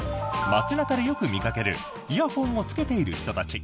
街中でよく見かけるイヤホンをつけている方たち。